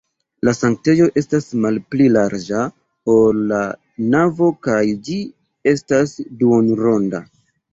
La sanktejo estas malpli larĝa, ol la navo kaj ĝi estas duonronda.